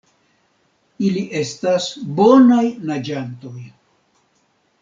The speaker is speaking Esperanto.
Ili estas bonaj naĝantoj.